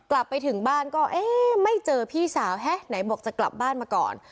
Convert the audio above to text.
กลับไปถึงบ้านก็เอ๊ะไม่เจอพี่สาวฮะไหนบอกจะกลับบ้านมาก่อน